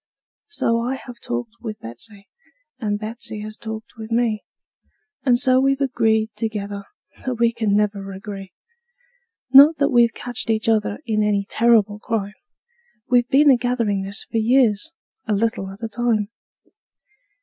So I have talked with Betsey, and Betsey has talked with me, And so we've agreed together that we can't never agree; Not that we've catched each other in any terrible crime; We've been a gathering this for years, a little at a time.